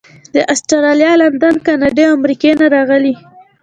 د اسټرالیا، لندن، کاناډا او امریکې نه راغلي.